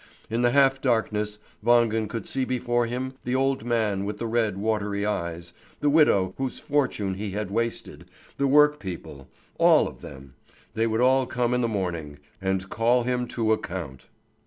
In the half darkness Wangen could see before him the old man with the red, watery eyes, the widow whose fortune he had wasted, the work people all of them. They would all come in the morning, and call him to account.